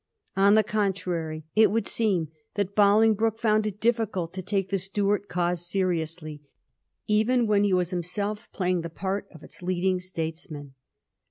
On the contrary, it would seem that Bolingbroke found it difficult to take the Stuart cause seriously, even when he was himself playing the part of its leading statesman.